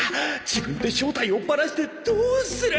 自分で正体をバラしてどうする！